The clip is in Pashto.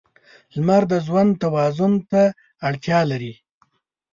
• لمر د ژوند توازن ته اړتیا لري.